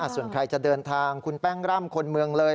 ส่วนใครจะเดินทางคุณแป้งร่ำคนเมืองเลย